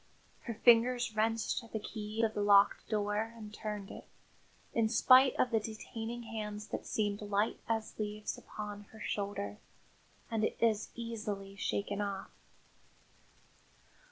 Her fingers wrenched at the key of the locked door and turned it, in spite of the detaining hands that seemed light as leaves upon her shoulder, and as easily shaken off.